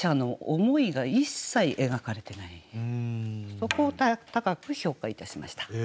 そこを高く評価いたしました。